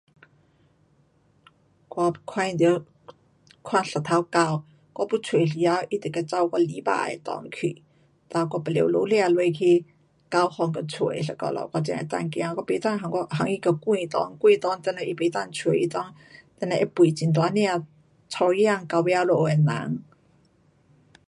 我看见到，看一只狗，我要出时头它就跟我跑我篱笆内去。哒我又得下车下去狗赶给出一下咯我才能够走，我不能把它给关内，关内等下它不能出，它内等下会吠很大声，吵耳朵隔壁家的人。